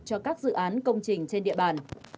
cho các dự án công trình trên địa bàn